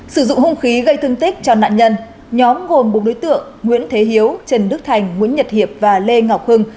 sử dụng hung khí gây thương tích cho nạn nhân nhóm gồm bốn đối tượng nguyễn thế hiếu trần đức thành nguyễn nhật hiệp và lê ngọc hưng